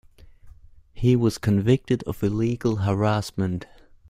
He was convicted of illegal harassment.